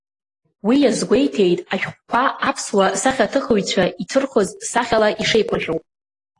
Уи иазгәеиҭеит ашәҟәқәа аԥсуа сахьаҭыхҩцәа иҭырхыз сахьала ишеиқәыршәоу.